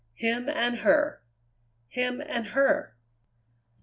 Him and her! him and her!